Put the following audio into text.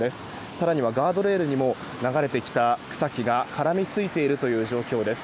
更にはガードレールにも流れてきた草木が絡みついているという状況です。